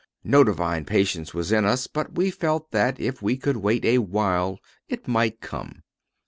No divine patience was in us, but we felt that if we could wait a while it might come.